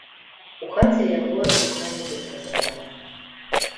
У хаце яго як мае быць разабрала.